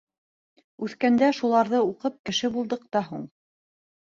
Үҫкәндә шуларҙы уҡып кеше булдыҡ та һуң.